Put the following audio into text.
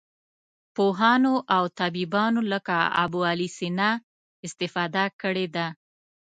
پوهانو او طبیبانو لکه ابوعلي سینا استفاده کړې ده.